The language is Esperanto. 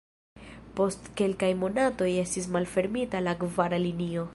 Post kelkaj monatoj estis malfermita la kvara linio.